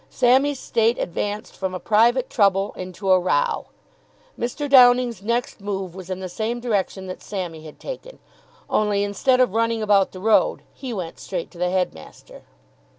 Sammy's state advanced from a private trouble into a row. Mr. Downing's next move was in the same direction that Sammy had taken, only, instead of running about the road, he went straight to the headmaster.